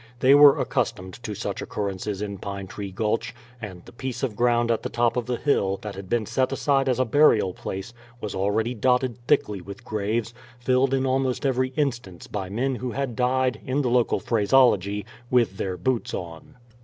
They were accustomed to such occurrences in Pine Tree Gulch, and the piece of ground at the top of the hill, that had been set aside as a burial place, was already dotted thickly with graves, filled in almost every instance by men who had died, in the local phraseology, "with their boots on."